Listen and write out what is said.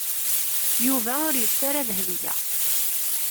Yuba ur yettu ara Dahbiya.